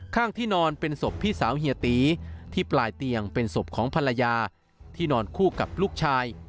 ข้างที่นอนเป็นศพพี่สาวเฮียตีที่ปลายเตียงเป็นศพของภรรยาที่นอนคู่กับลูกชาย